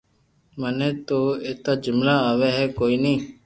مني تو ايتا جملا آوي ھي ڪوئي ني